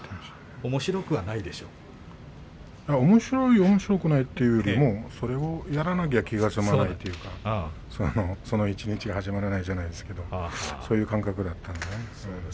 おもしろいおもしろくないというよりもそれをやらなくては気が済まないというか一日始まらないじゃないですけれどもそういう感覚だったんで。